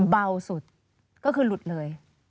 เบาสุดก็คือหลุดเลย